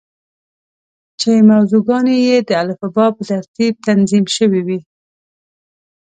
چې موضوع ګانې یې د الفبا په ترتیب تنظیم شوې وې.